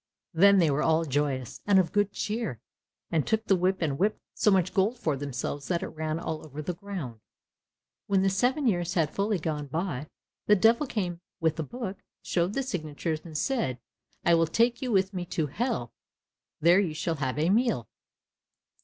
Then they were all joyous, and of good cheer, and took the whip and whipped so much gold for themselves that it ran all over the ground. When the seven years had fully gone by, the Devil came with the book, showed the signatures, and said, "I will take you with me to hell. There you shall have a meal!